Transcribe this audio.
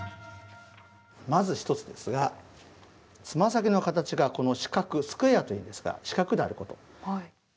まず１つですがつま先の形がこの四角スクエアというんですが四角であることです。